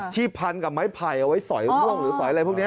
พันกับไม้ไผ่เอาไว้สอยร่วงหรือสอยอะไรพวกนี้